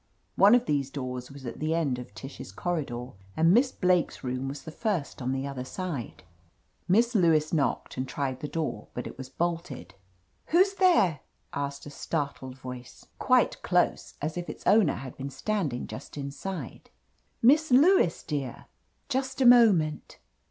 One of these doors was at the end of Tish's corri dor, and Miss Blake's room was the first on the 'other side. Miss Lewis knocked and tried the door, but it was bolted. "Who's there ?" asked a startled voice, quite S3 THE AMAZING ADVENTURES close, as if it's owner had been standing just inside. "Miss Lewis, dear." "Just a moment."